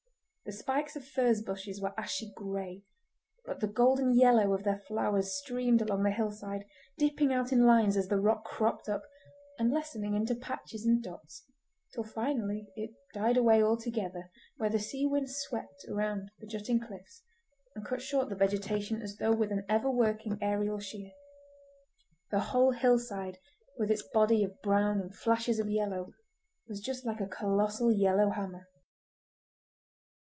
The spikes of furze bushes were ashy grey, but the golden yellow of their flowers streamed along the hillside, dipping out in lines as the rock cropped up, and lessening into patches and dots till finally it died away all together where the sea winds swept round the jutting cliffs and cut short the vegetation as though with an ever working aerial shears. The whole hillside, with its body of brown and flashes of yellow, was just like a colossal yellow hammer.